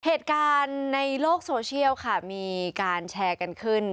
เหตุการณ์ในโลกโซเชียลค่ะมีการแชร์กันขึ้น